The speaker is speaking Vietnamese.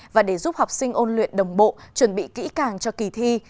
và để giúp học sinh ôn luyện đồng bộ chuẩn bị kỹ càng cho kỳ thi